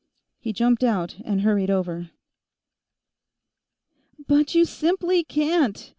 He jumped out and hurried over. "But you simply can't!"